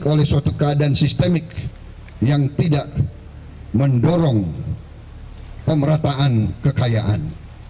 oleh suatu keadaan sistemik yang tidak mendorong pemerataan kekayaan